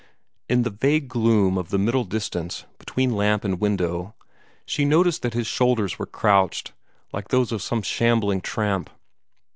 In the vague gloom of the middle distance, between lamp and window, she noticed that his shoulders were crouched, like those of some shambling tramp.